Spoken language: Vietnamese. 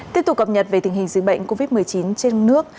tiếp tục cập nhật về tình hình dịch bệnh covid một mươi chín trên nước